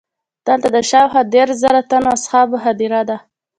دلته د شاوخوا دېرش زره تنو اصحابو هدیره ده.